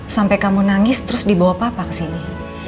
sampai kamu nangis terus dibawa papa ke sini